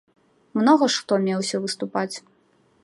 Многа ж хто меўся выступаць.